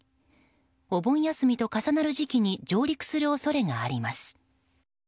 お盆休みと重なる時期に上陸する恐れがあります。